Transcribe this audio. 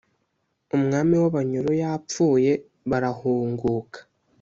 umwami w'abanyoro yapfuye, barahunguka.